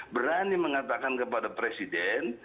berani mengatakan kepada presiden